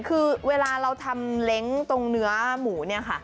คือเวลาเราทำเล้งตรงเนื้อหมูเนี่ยค่ะ